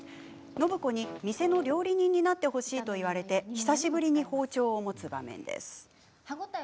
暢子に店の料理人になってほしいと言われて久しぶりに包丁を持つ場面です。